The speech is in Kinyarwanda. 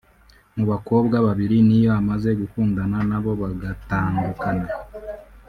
Mu bakobwa babiri Ne-Yo amaze gukundana nabo bagatandukana